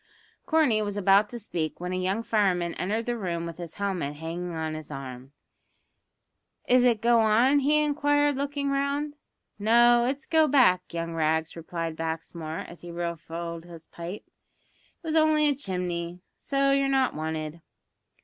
Corney was about to speak, when a young fireman entered the room with his helmet hanging on his arm. "Is it go on?" he inquired, looking round. "No, it's go back, young Rags," replied Baxmore, as he refilled his pipe; "it was only a chimney, so you're not wanted."